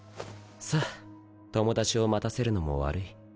さぁ友達を待たせるのも悪い。